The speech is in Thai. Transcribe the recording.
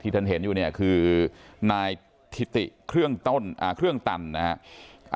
ท่านเห็นอยู่เนี่ยคือนายถิติเครื่องต้นเครื่องตันนะฮะ